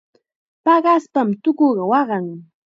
Paqaspam tukuqa waqan.